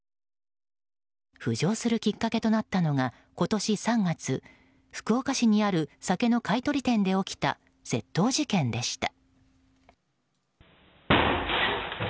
浮上するきっかけとなったのは今年３月福岡市にある酒の買い取り店で起きた窃盗事件でした。